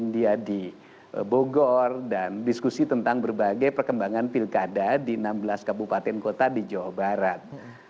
dia di bogor dan diskusi tentang berbagai perkembangan pilkada di enam belas kabupaten kota di jawa barat